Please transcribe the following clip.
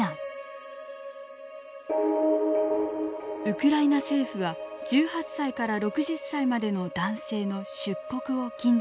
ウクライナ政府は１８歳から６０歳までの男性の出国を禁じました。